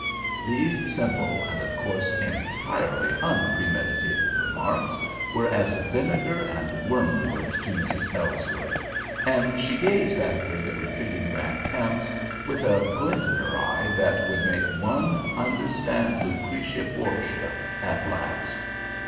These simple and, of course, entirely unpremeditated remarks were as vinegar and wormwood to Mrs. Ellsworth, and she gazed after the retreating Van Kamps with a glint in her eye that would make one understand Lucretia Borgia at last.